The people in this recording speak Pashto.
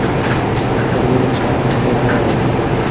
سپین سرې وویل چې هغه نجلۍ رڼا راوړي.